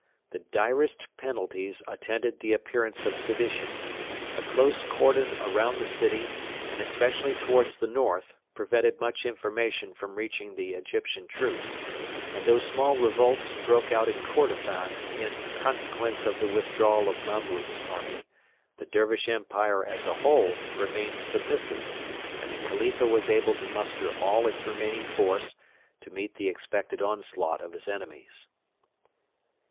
The direst penalties attended the appearance of sedition. A close cordon around the city, and especially towards the north, prevented much information from reaching the Egyptian troops; and though small revolts broke out in Kordofan in consequence of the withdrawal of Mahmud's army, the Dervish Empire as a whole remained submissive, and the Khalifa was able to muster all its remaining force to meet the expected onslaught of his enemies.